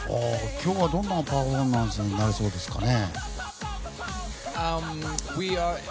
今日はどんなパフォーマンスになりそうですかね。